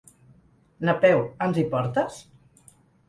Napeu, ens hi portes?